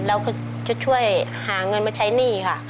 แล้วเขาจะช่วยหาเงินมาใช้หนี้ค่ะ